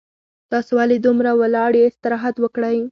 تاسو ولې دومره ولاړ یي استراحت وکړئ